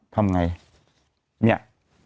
ทำไงเนี่ย